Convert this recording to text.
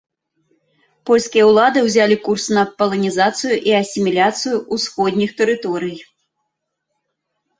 Польскія ўлады ўзялі курс на паланізацыю і асіміляцыю ўсходніх тэрыторый.